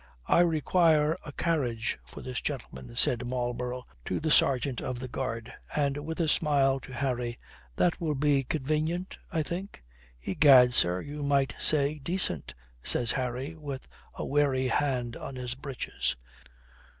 "I require a carriage for this gentleman," said Marlborough to the sergeant of the guard, and with a smile to Harry, "That will be convenient, I think?" "Egad, sir, you might say, decent," says Harry with a wary hand on his breeches.